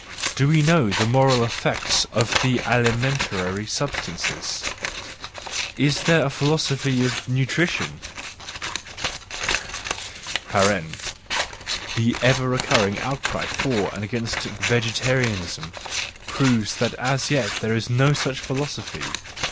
Do we know the moral effects of the alimentary substances ? Is there a philosophy of nutrition? (The ever recurring outcry for and against vegetarianism proves that as yet there is no such philosophy!)